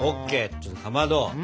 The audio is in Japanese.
ちょっとかまど。